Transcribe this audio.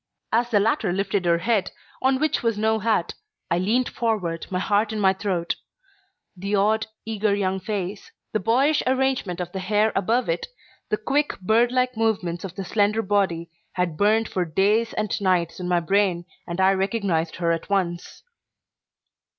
As the latter lifted her head, on which was no hat, I leaned forward, my heart in my throat. The odd, eager young face, the boyish arrangement of the hair above it, the quick, bird like movements of the slender body, had burned for days and nights in my brain, and I recognized her at once.